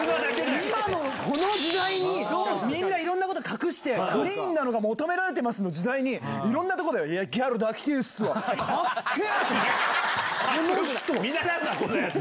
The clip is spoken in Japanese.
今のこの時代に、みんないろんなこと隠して、クリーンなのが求められてますの時代に、いろんなところでギャル抱きてぇんすわ、かっけぇ！と思って。